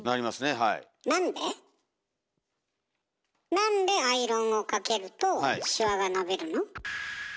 なんでアイロンをかけるとシワが伸びるの？